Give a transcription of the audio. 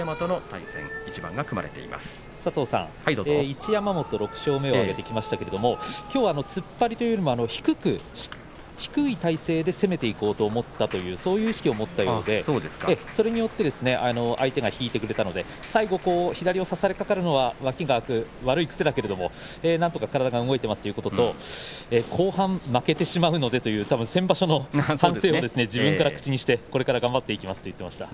一山本、６勝目を挙げてきましたけれどもきょうは突っ張りというよりも低く、低い体勢で攻めていこうと思ったという意識を持っていたようでそれによって相手が引いてくれたので最後は左を差されかかるのは脇が空く悪い癖だけれどもなんとか体が動いていますということと後半、負けてしまうのでと先場所の反省を自分から口にしてこれから頑張っていきますと言ってました。